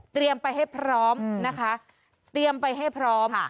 ไปให้พร้อมนะคะเตรียมไปให้พร้อม